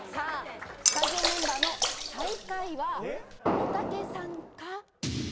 スタジオメンバーの最下位は、おたけさんか？